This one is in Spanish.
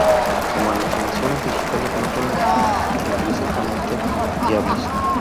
Como alucinaciones digitales, no son intrínsecamente fiables.